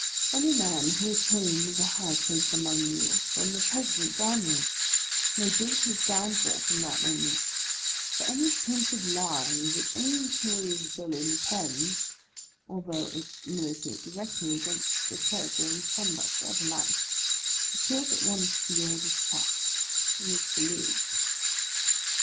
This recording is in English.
Any man who attains a high place among you, from the President downwards, may date his downfall from that moment; for any printed lie that any notorious villain pens, although it militate directly against the character and conduct of a life, appeals at once to your distrust, and is believed.